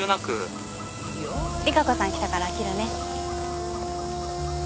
利佳子さん来たから切るね。